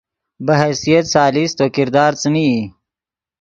بہ حیثیت ثالث تو کردار څیمین ای